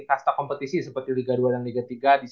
kasta kompetisi seperti liga dua dan liga tiga